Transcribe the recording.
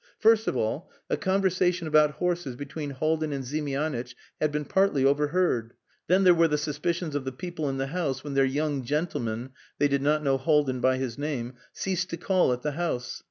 First of all, a conversation about horses between Haldin and Ziemianitch had been partly overheard. Then there were the suspicions of the people in the house when their "young gentleman" (they did not know Haldin by his name) ceased to call at the house.